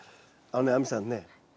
あのね亜美さんね